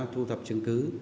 thu thập chứng cứ